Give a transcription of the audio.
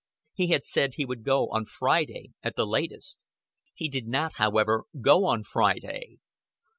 He had said he would go on Friday at the latest. He did not, however, go on Friday.